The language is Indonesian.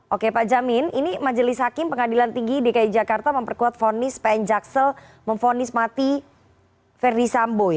oke pak jamin ini majelis hakim pengadilan tinggi dki jakarta memperkuat vonis pn jaksel memfonis mati ferdi sambo